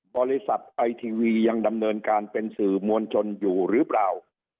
บริษัทไอทีวียังดำเนินการเป็นสื่อมวลชนอยู่หรือเปล่า